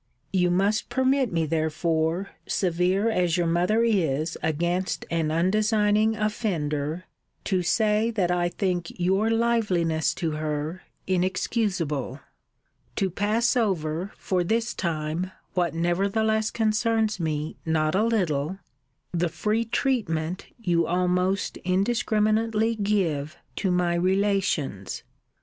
You must permit me therefore, severe as your mother is against an undesigning offender, to say that I think your liveliness to her inexcusable to pass over, for this time, what nevertheless concerns me not a little, the free treatment you almost indiscriminately give to my relations.